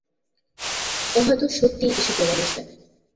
ও হয়তো সত্যিই কিছু করে বসবে।